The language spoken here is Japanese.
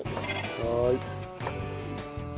はい。